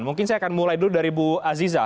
mungkin saya akan mulai dulu dari bu aziza